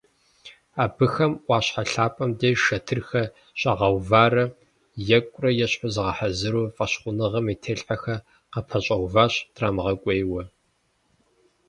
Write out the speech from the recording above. Абыхэм Ӏуащхьэ лъапэм деж шэтырхэр щагъэуварэ екӀурэ-ещхьу загъэхьэзыру, фӀэщхъуныгъэм и телъхьэхэр къапэщӀэуващ, драмыгъэкӀуейуэ.